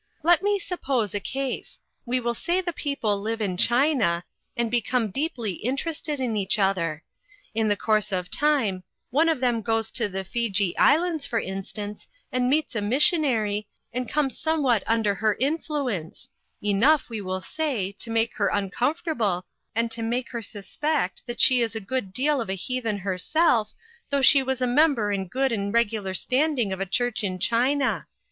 Let me suppose a case. We will say the people live in China, and become deeply interested in each other. In the course of time one of them goes to NEW LINES OF WORK. 335 the Fiji Islands for instance, and meets a mis sionary, and comes somewhat under her in fluence enough, we will say, to make her uncomfortable and to make her suspect that she is a good deal of a heathen herself, though she was a member in good and regular standing of a church in China.